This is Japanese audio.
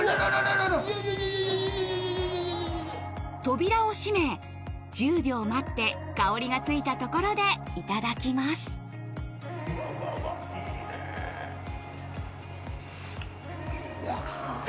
扉を閉め１０秒待って香りがついたところでいただきますうわうわうわいいね。